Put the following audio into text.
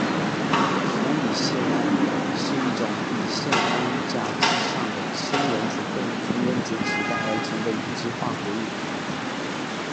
氟乙酰胺是一种乙酰胺甲基上的氢原子被氟原子取代而成的有机化合物。